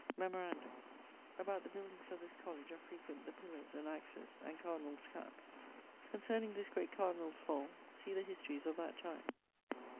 Memorandum: about the buildings of this Colledge are frequent the pillars, and axes, and Cardinall's cappes. Concerning this great Cardinall's fall, see the histories of that time.